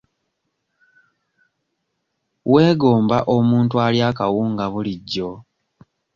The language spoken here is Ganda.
Weegomba omuntu alya akawunga bulijjo?